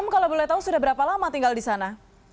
kalau boleh tahu sudah berapa lama tinggal di sana